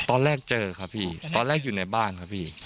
ตอนแรกเจอครับพี่ตอนแรกอยู่ในบ้านครับพี่